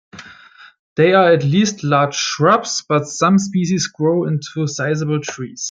They are at least large shrubs but some species grow into sizeable trees.